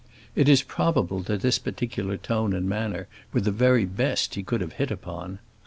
It is probable that this particular tone and manner were the very best he could have hit upon.